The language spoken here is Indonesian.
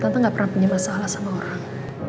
tante gak pernah punya masalah sama orang